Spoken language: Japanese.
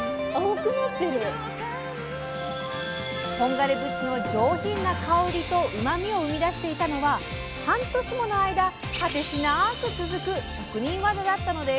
本枯節の上品な香りとうまみを生み出していたのは半年もの間果てしなく続く職人技だったのです！